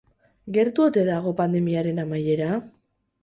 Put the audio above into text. Gertu ote dago pandemiaren amaiera?